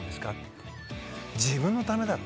「自分のためだ」と。